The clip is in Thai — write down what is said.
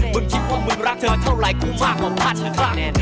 มึงคิดว่ามึงรักเธอเท่าไหร่กูมากกว่าพัฒน์ครั้ง